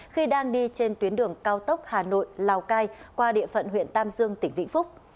khi đang đi trên tuyến đường cao tốc hà nội lào cai qua địa phận huyện tam dương tỉnh vĩnh phúc